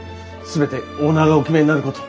全てオーナーがお決めになること。